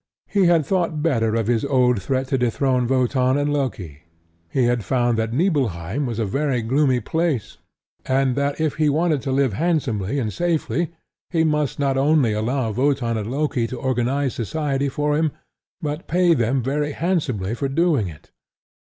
He had thought better of his old threat to dethrone Wotan and Loki. He had found that Nibelheim was a very gloomy place and that if he wanted to live handsomely and safely, he must not only allow Wotan and Loki to organize society for him, but pay them very handsomely for doing it.